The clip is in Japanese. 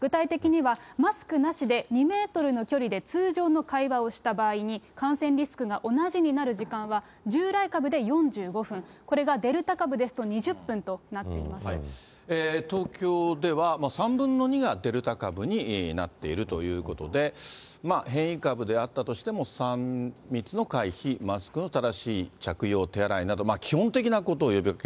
具体的にはマスクなしで２メートルの距離で通常の会話をした場合に、感染リスクが同じになる時間は、従来株で４５分、これがデルタ株ですと２０分となっているん東京では、３分の２がデルタ株になっているということで、変異株であったとしても、３密の回避、マスクの正しい着用、手洗いなどの推奨、基本的なことを呼びかけ